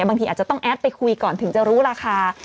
บางทีอาจจะต้องแอดไปคุยก่อนถึงจะรู้ราคา